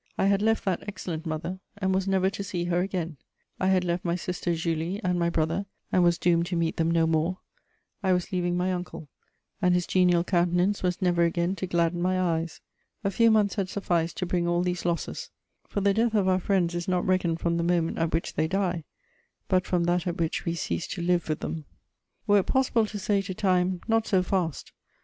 I had left that excellent mother, and was never to see her again; I had left my sister Julie and my brother, and was doomed to meet them no more; I was leaving my uncle, and his genial countenance was never again to gladden my eyes. A few months had sufficed to bring all these losses, for the death of our friends is not reckoned from the moment at which they die, but from that at which we cease to live with them. Were it possible to say to Time, "Not so fast!"